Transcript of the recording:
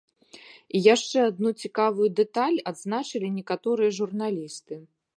І яшчэ адну цікавую дэталь адзначылі некаторыя журналісты.